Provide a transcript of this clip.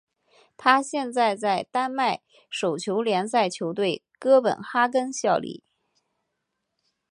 他现在在丹麦手球联赛球队哥本哈根效力。